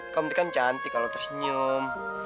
kamu kan cantik kalau tersenyum